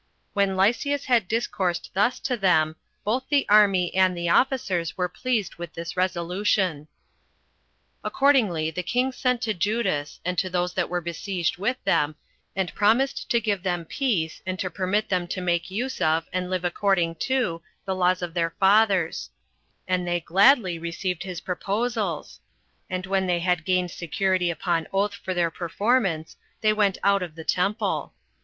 When Lysias had discoursed thus to them, both the army and the officers were pleased with this resolution. 7. Accordingly the king sent to Judas, and to those that were besieged with them, and promised to give them peace, and to permit them to make use of, and live according to, the laws of their fathers; and they gladly received his proposals; and when they had gained security upon oath for their performance, they went out of the temple.